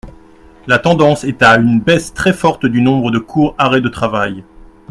La tendance est à une baisse très forte du nombre de courts arrêts de travail.